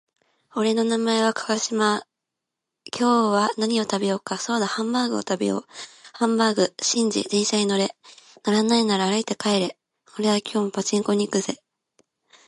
俺の名前は川島寛。今日は何を食べようか。そうだハンバーグを食べよう。ハンバーグ。シンジ、電車に乗れ。乗らないなら歩いて帰れ。俺は今日もパチンコに行くぜ。